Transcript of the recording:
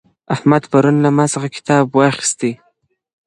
احمد پرون له ما څخه کتاب واخیستی.